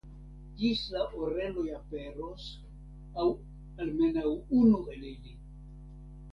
Ĝis la oreloj aperos, aŭ almenaŭ unu el ili.